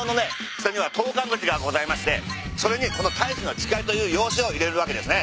下には投函口がございましてそれにこの大志の誓いという用紙を入れるわけですね。